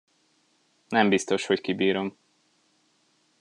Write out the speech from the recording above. Nem biztos, hogy kibírom.